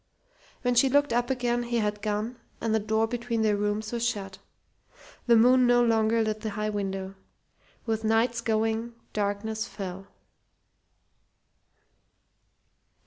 When she looked up again he had gone and the door between their rooms was shut. The moon no longer lit the high window. With Knight's going darkness fell.